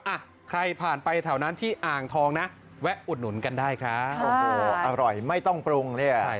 อ่ะใครผ่านไปแถวนั้นที่อ่างทองนะแวะอุดหนุนกันได้ครับโอ้โหอร่อยไม่ต้องปรุงเนี่ย